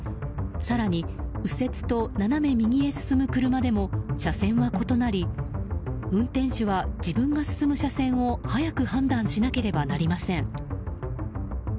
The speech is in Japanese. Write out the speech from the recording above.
更に、右折と斜め右へ進む車でも車線は異なり運転手は自分が進む車線を早く判断しなければなりません。